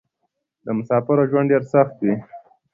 د مسافرو ژوند ډېر سخت وې.